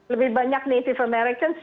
lebih banyak native american